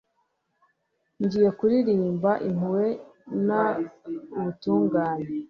ngiye kuririmba impuhwe n'ubutungane